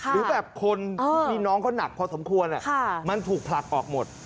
หรือแบบคนพี่น้องเขาหนักพอสมควรมันถูกผลักออกหมด